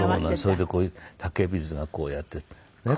それでこういう竹ビーズがこうやってねえ